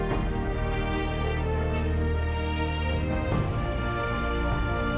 nggak ada yang nunggu